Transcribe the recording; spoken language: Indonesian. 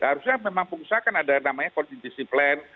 harusnya memang pengusaha kan ada namanya kondisi plan